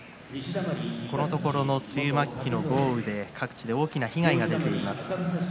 このところの梅雨末期の豪雨で各地で大きな被害が出ています。